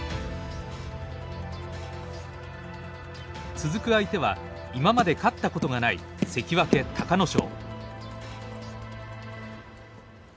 続く相手は今まで勝ったことがない関脇隆の勝。